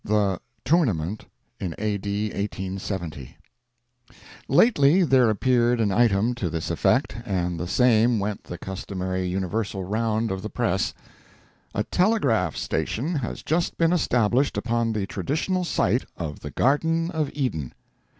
THE "TOURNAMENT" IN A. D. 1870 Lately there appeared an item to this effect, and the same went the customary universal round of the press: A telegraph station has just been established upon the traditional site of the Garden of Eden.